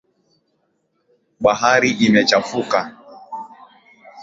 Bahari imechafuka